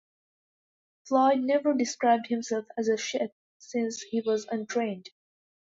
Floyd never described himself as a chef since he was untrained.